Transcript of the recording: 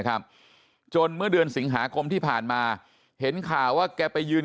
ครับจนเมื่อเดือนสิงหาคมที่ผ่านมาเห็นข่าวว่าแกไปยืน